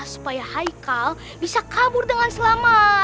supaya haikal bisa kabur dengan selamat